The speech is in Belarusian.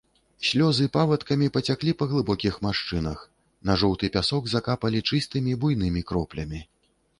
Слёзы павадкамі пацяклі па глыбокіх маршчынах, на жоўты пясок закапалі чыстымі, буйнымі кроплямі.